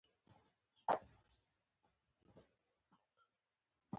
خدایه دا دې مجازات که مکافات دي؟